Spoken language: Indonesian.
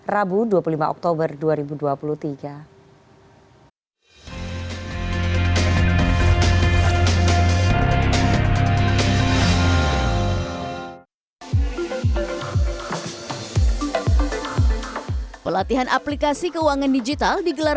rabu dua puluh lima oktober dua ribu dua puluh tiga